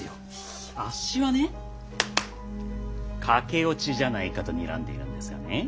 あっしはね駆け落ちじゃないかとにらんでいるんですがね。